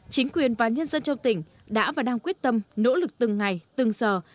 chính quyền và nhân dân trong tỉnh đã và đang quyết tâm nỗ lực từng ngày từng giờ